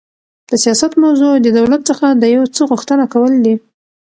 د سیاست موضوع د دولت څخه د یو څه غوښتنه کول دي.